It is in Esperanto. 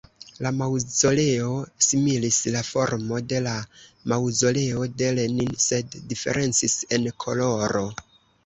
La maŭzoleo similis la formo de la Maŭzoleo de Lenin sed diferencis en koloro.